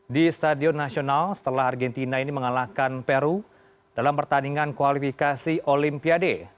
di stadion nasional setelah argentina ini mengalahkan peru dalam pertandingan kualifikasi olimpiade